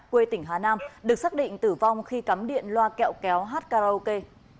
quê tỉnh hà nam được xác định tử vong khi cắm điện loa kẹo kéo hát karaoke